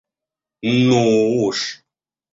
Ну уж!